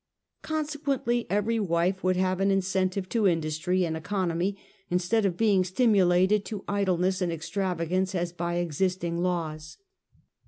Consequently, every wife would have an incentive to industry and econo my, instead of being stimulated to idleness and ex travagance as by existing laws.